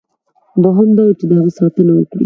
دوهم دا وه چې د هغه ساتنه وکړي.